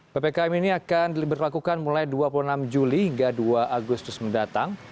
ppkm ini akan diberlakukan mulai dua puluh enam juli hingga dua agustus mendatang